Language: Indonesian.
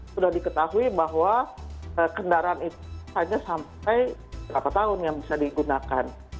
sudah diketahui bahwa kendaraan itu hanya sampai berapa tahun yang bisa digunakan